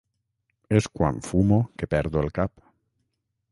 És quan fumo que perdo el cap.